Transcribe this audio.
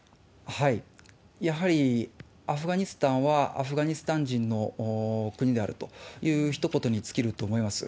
やはりアフガニスタンはアフガニスタン人の国であるというひと言に尽きると思います。